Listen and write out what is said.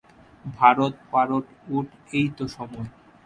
ভারত পারত উঠ এইতো সময় ।